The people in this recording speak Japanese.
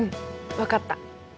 分かった。